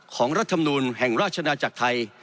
รัฐมนูลแห่งราชนาจักรไทย